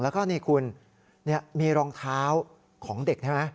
แล้วก็นี่คุณมีรองเท้าของเด็กใช่ไหม